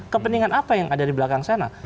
kepentingan apa yang ada di belakang sana